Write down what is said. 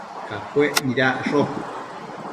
Capuec nidacsho